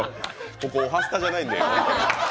ここ「おはスタ」じゃないんで。